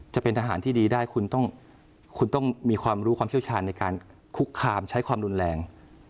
จะเป็นทหารที่ดีได้คุณต้องคุณต้องมีความรู้ความเชี่ยวชาญในการคุกคามใช้ความรุนแรง